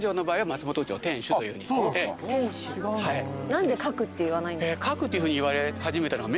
何で閣っていわないんですか？